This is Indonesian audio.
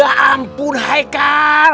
ya ampun haikal